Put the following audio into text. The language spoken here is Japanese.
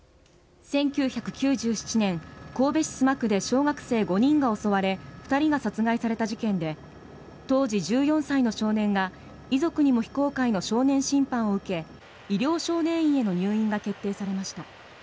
１９９７年、神戸市須磨区で小学生５人が襲われ２人が殺害された事件で当時１４歳の少年が遺族にも非公開の少年審判を受け医療少年院への入院が決定されました。